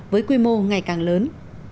với quy mô ngày càng lớn